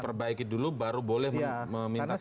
perbaiki dulu baru boleh meminta kenaikan tarifnya